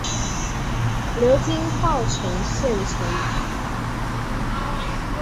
流经稻城县城。